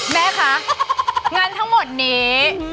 แม่คะงั้นทั้งหมดนี้